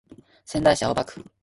仙台市青葉区